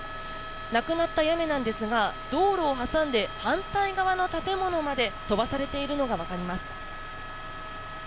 なくなった屋根なんですが道路を挟んで反対側の建物まで飛ばされているのが分かります。